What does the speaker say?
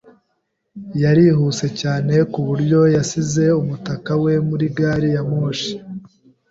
Yarihuse cyane ku buryo yasize umutaka we muri gari ya moshi.